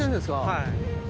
はい。